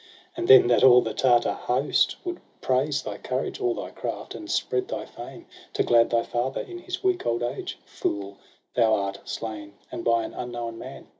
And then that all the Tartar host would praise Thy courage or thy craft, and spread thy fame, To glad thy father in his weak old age. Fool, thou art slain, and by an unknown man